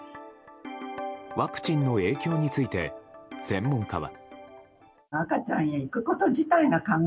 ワクチンの影響について専門家は。